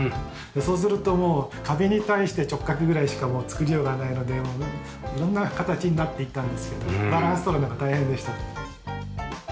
そうするともう壁に対して直角ぐらいしかもう作りようがないので色んな形になっていったんですけどバランスとるのが大変でした。